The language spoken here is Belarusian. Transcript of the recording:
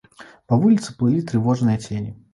Па вуліцы плылі трывожныя цені.